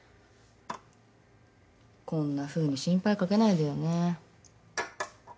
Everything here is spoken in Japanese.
こんなふうに心配かけないでよね。